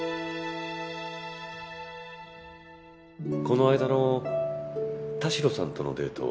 この間の田代さんとのデート